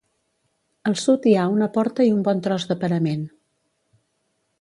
Al sud hi ha una porta i un bon tros de parament.